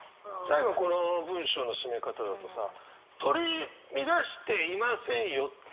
最後この文章の締め方だとさ取り乱していませんよって。